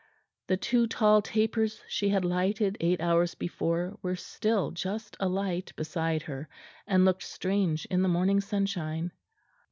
The two tall tapers she had lighted eight hours before were still just alight beside her, and looked strange in the morning sunshine.